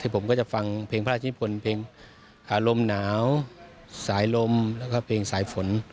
ผมก็จะฟังเพลงพระราชนิพลเพลงอารมณ์หนาวสายลมแล้วก็เพลงสายฝน